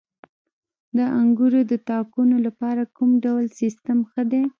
د انګورو د تاکونو لپاره کوم ډول سیستم ښه دی؟